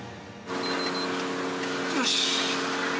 よし。